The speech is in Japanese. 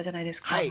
はい。